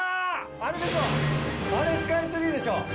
あれでしょあれスカイツリーでしょ。